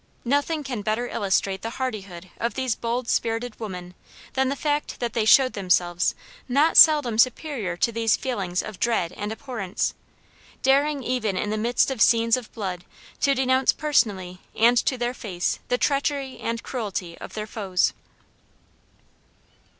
Nothing can better illustrate the hardihood of these bold spirited women than the fact that they showed themselves not seldom superior to these feelings of dread and abhorrence, daring even in the midst of scenes of blood to denounce personally and to their face the treachery and cruelty of their foes.